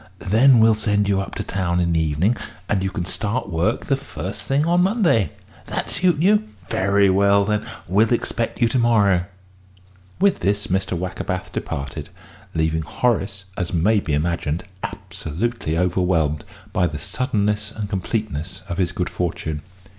Then we'll send you up to town in the evening, and you can start work the first thing on Monday. That suit you? Very well, then. We'll expect you to morrow." With this Mr. Wackerbath departed, leaving Horace, as may be imagined, absolutely overwhelmed by the suddenness and completeness of his good fortune.